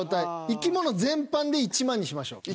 生き物全般で１万にしましょう。